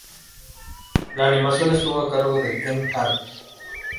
La animación estuvo a cargo de Ken Harris.